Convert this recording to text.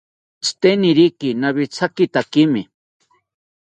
Tzitenikiri nawithakithakimi